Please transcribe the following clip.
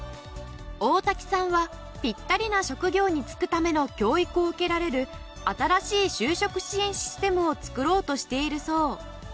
大瀧さんはピッタリな職業に就くための教育を受けられる新しい就職支援システムを作ろうとしているそう。